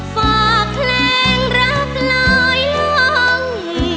ฝากแปลงรับหลายหลัง